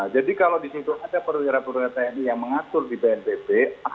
jadi kalau di situ ada perwira perwira tni yang mengatur di bntt